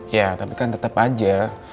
ya tapi kan tetap aja